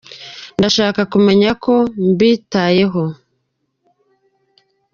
ndashako mumenya ko mbitayeho